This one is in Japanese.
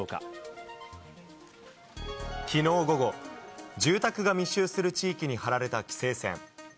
きのう午後、住宅が密集する地域に張られた規制線。